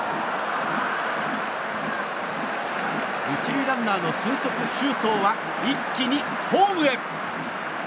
１塁ランナーの俊足、周東は一気にホームへ。